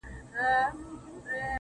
د چا د ويښ زړگي ميسج ننوت.